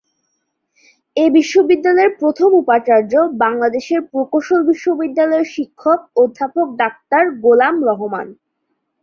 এ বিশ্ববিদ্যালয়ের প্রথম উপাচার্য বাংলাদেশের প্রকৌশল বিশ্ববিদ্যালয়ের শিক্ষক অধ্যাপক ডাক্তার গোলাম রহমান।